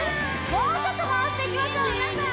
もうちょっと回していきましょう皆さん